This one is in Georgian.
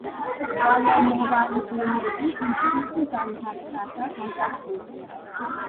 წყალმოვარდნები იცის ზამთარსა და გაზაფხულზე.